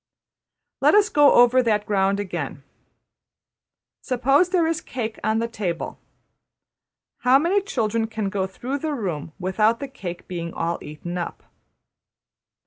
'' Let us go over that ground again. Suppose there is a cake on the table. How many children can go through the room without the cake being all eaten up?